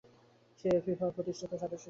তিনি ফিফা'র প্রতিষ্ঠাতা সদস্য ছিলেন।